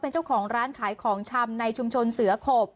เจ้าของร้านขายของชำในชุมชนเสือขบ